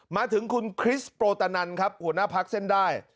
มาถึงคุณคริสโปรตนันครับหัวหน้าพักเส้นได้